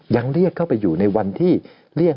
ยังเรียกเข้าไปอยู่ในวันที่เรียก